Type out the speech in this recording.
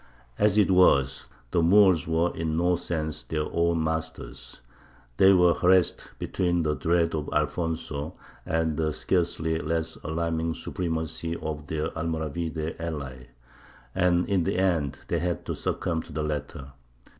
As it was, the Moors were in no sense their own masters; they were harassed between the dread of Alfonso and the scarcely less alarming supremacy of their Almoravide ally; and in the end they had to succumb to the latter.